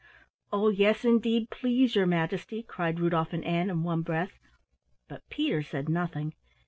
"Oh, yes, indeed, please your Majesty," cried Rudolf and Ann in one breath but Peter said nothing.